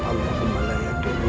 allahumma layak dunia